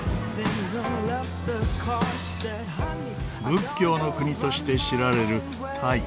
仏教の国として知られるタイ。